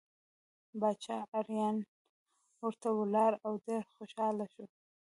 باچا اریان ورته ولاړ او ډېر خوشحاله شو.